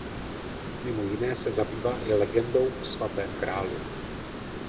Mimo jiné se zabývá i legendou o Svatém Grálu.